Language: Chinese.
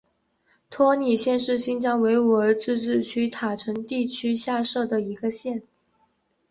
托里县是新疆维吾尔自治区塔城地区下辖的一个县。